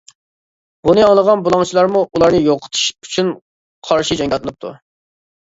بۇنى ئاڭلىغان بۇلاڭچىلارمۇ ئۇلارنى يوقىتىش ئۈچۈن قارشى جەڭگە ئاتلىنىپتۇ.